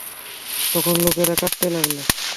তখন লোকেরা কাঁদতে লাগল।